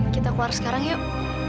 kita keluar sekarang yuk